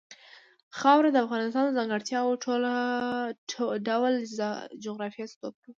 خاوره د افغانستان د ځانګړي ډول جغرافیه استازیتوب کوي.